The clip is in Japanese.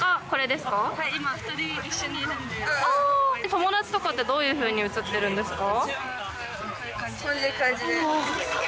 友達とかってどういうふうに映ってるんですか？